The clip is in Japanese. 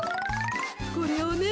これをね